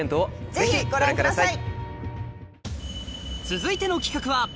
ぜひご覧ください。